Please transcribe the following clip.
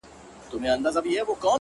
هغه په هره بده پېښه کي بدنام سي ربه!